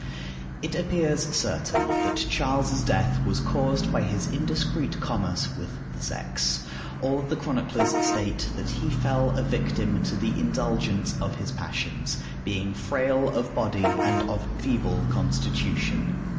It appears certain that Charles's death was caused by his indiscreet commerce with the sex. All the chroniclers state that he fell a victim to the indulgence of his passions, being frail of body and of feeble constitution.